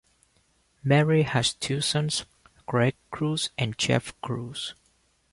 Mary has two sons, Greg Crews and Jeff Crews.